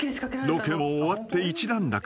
［ロケも終わって一段落。